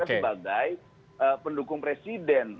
kita sebagai pendukung presiden